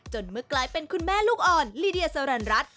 เมื่อกลายเป็นคุณแม่ลูกอ่อนลีเดียสรรรัฐ